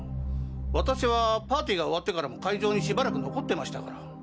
私はパーティーが終わってからも会場にしばらく残ってましたから。